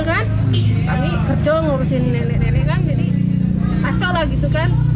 kami kerja ngurusin nenek nenek jadi acolah gitu kan